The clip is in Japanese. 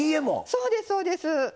そうですそうです。